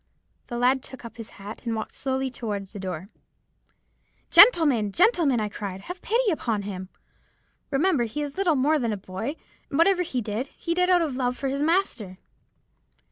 "The lad took up his hat and walked slowly towards the door. "'Gentlemen—gentlemen!' I cried, 'have pity upon him. Remember he is little more than a boy; and whatever he did, he did out of love for his master.'